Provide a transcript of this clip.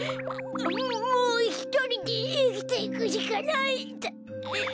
もうひとりでいきていくしかないんだ！